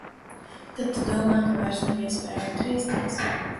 Tad tu domā, ka vairs nav iespēju atgriezties?